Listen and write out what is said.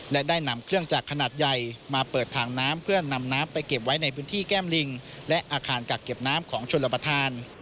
และได้นำเครื่องจักรขนาดใหญ่มาเปิดทางน้ำเพื่อนำน้ำไปเก็บไว้ในพื้นที่แก้มลิงและอาคารกักเก็บน้ำของชนรับประทาน